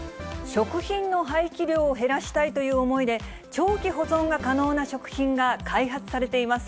食品の廃棄量を減らしたいという思いで、長期保存が可能な食品が開発されています。